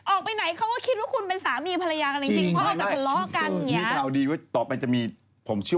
อาจารย์หนุ่มพัดท้องมาเนี่ย